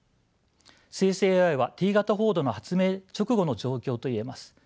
生成ＡＩはＴ型フォードの発明直後の状況といえます。